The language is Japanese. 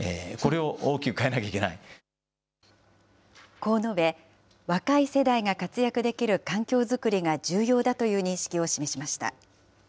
こう述べ、若い世代が活躍できる環境作りが重要だという認識を示しました。